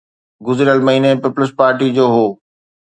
گذريل مهيني پيپلز پارٽيءَ جو هو.